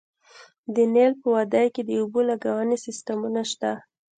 د نیل په وادۍ کې د اوبو لګونې سیستمونه شته